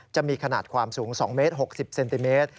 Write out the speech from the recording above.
จะมีขนาดความสูง๒เมตร๖๐เซนติเมตร